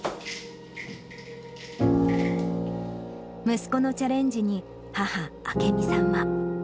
息子のチャレンジに母、明美さんは。